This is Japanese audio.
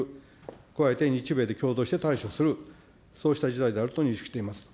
加えて日米で共同して対処する、そうした事態であると認識しています。